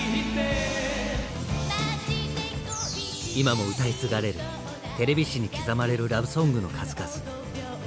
今も歌い継がれるテレビ史に刻まれる「ラブソング」の数々。